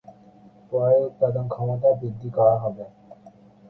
পরে উৎপাদন ক্ষমতা বৃদ্ধি করা হবে।